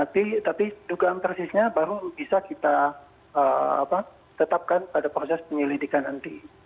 tapi dugaan persisnya baru bisa kita tetapkan pada proses penyelidikan nanti